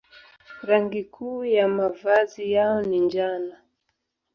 Rangi kuu ya mavazi yao ni njano.